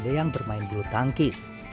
ada yang bermain bulu tangkis